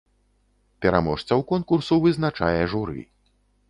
Пераможцаў конкурсу вызначае журы.